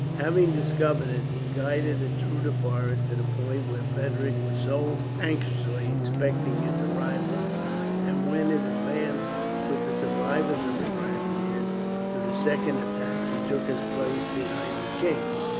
Having discovered it, he guided it through the forest to the point where Frederick was so anxiously expecting its arrival; and when it advanced, with the survivors of the grenadiers, to the second attack, he took his place behind the king.